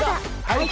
はい。